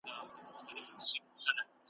پر ټولۍ باندي راغلی یې اجل دی `